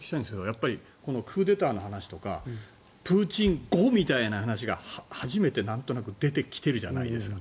クーデターの話とかプーチン後みたいな話が初めてなんとなく出てきているじゃないですか